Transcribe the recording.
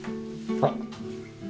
あっ！